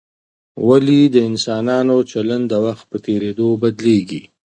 ولي د انسانانو چلند د وخت په تېرېدو بدلیږي؟